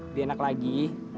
lebih enak lagi